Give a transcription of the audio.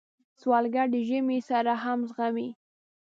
سوالګر د ژمي سړه هم زغمي